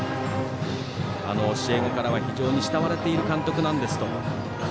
教え子からは非常に慕われている監督なんですと。